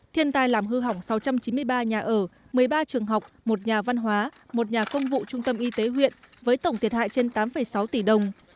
thiên tai làm hư hỏng sáu trăm chín mươi ba nhà ở một mươi ba trường học một nhà văn hóa một nhà công vụ trung tâm y tế huyện với tổng thiệt hại trên tám sáu tỷ đồng